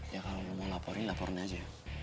ya kalau mau laporin laporin aja